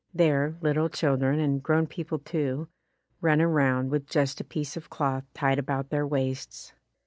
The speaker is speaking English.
There little children, and grown people too, run around with just a piece of cloth tied about their waists.